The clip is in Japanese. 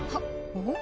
おっ！